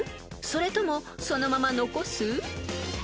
それともそのまま残す？］